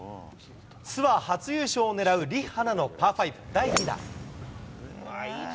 ツアー初優勝をねらうリ・ハナのパー５、第２打。